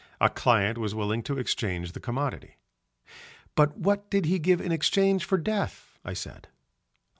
A client was willing to exchange the commodity. "But what did he give in exchange for death?" I said.